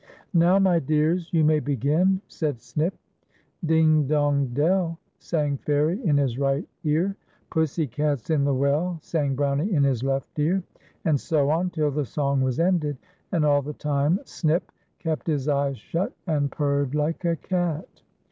" Now, my dears, you may begin," said Snip. '' Ding, dong, dell," sang Fairie in his right ear. " Pussy cat's in the well," sang Brownie in his left ear, and so on, till the song was ended, and all the time Snip kept his eyes shut, and purred like a cat.